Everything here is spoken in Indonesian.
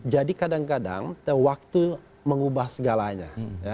jadi kadang kadang waktu mengubah segalanya